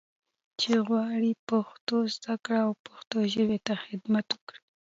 چې غواړي پښتو زده کړي او پښتو ژبې ته خدمت وکړي.